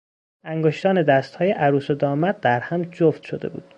انگشتان دست های عروس و داماد در هم جفت شده بود.